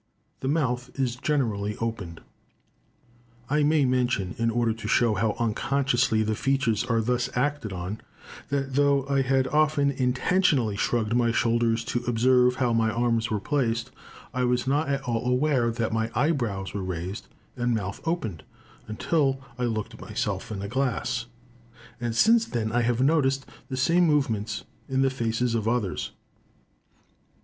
The mouth is generally opened. I may mention, in order to show how unconsciously the features are thus acted on, that though I had often intentionally shrugged my shoulders to observe how my arms were placed, I was not at all aware that my eyebrows were raised and mouth opened, until I looked at myself in a glass; and since then I have noticed the same movements in the faces of others.